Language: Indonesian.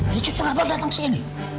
ini cucu rabang datang sini